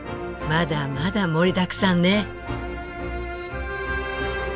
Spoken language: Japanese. まだまだ盛りだくさんね。